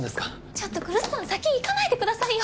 ちょっと来栖さん先行かないでくださいよ。